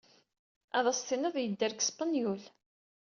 Ad as-tinid yedder deg Spenyul.